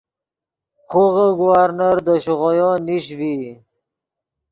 خوغے گورنر دے شیغویو نیش ڤی